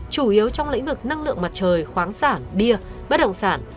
chủ yếu trong lĩnh vực năng lượng mặt trời khoáng sản bia bất động sản